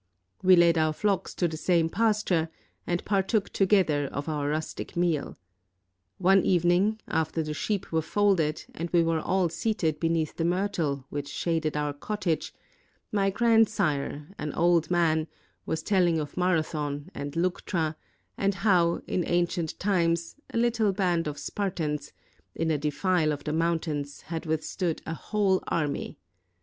"We led our flocks to the same pasture, and partook together of our rustic meal. One evening, after the sheep were folded, and we were all seated beneath the myrtle which shaded our cottage, my grandsire, an old man, was telling of Marathon and Leuctra and how, in an cient times, a Httle band of Spartans, in a defile of the mountains, had withstood a whole army.